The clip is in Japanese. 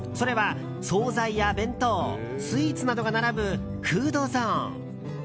それは、総菜や弁当スイーツなどが並ぶフードゾーン。